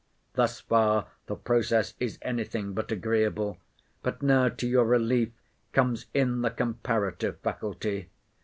Thus far the process is any thing but agreeable. But now to your relief comes in the comparative faculty.